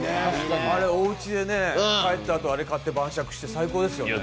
おうちで、帰ったあとあれ買って晩酌して最高ですよね。